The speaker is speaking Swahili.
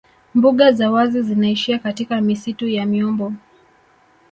Mbuga za wazi zinaishia katika misitu ya miombo